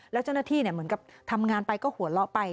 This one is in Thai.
แล้วเจ้าหน้าที่เหมือนกับทำงานไปก็หัวเราะไป